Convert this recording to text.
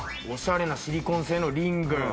おしゃれなシリコン製のリング。